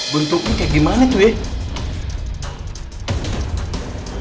bentuknya kayak gimana tuh ya